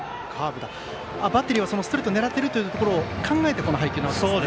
バッテリーはストレートを狙っているところを考えてのこの配球なわけですね。